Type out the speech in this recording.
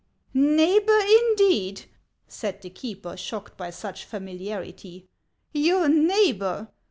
" Neighbor, indeed !" said the keeper, shocked by such familiarity. "Your neighbor!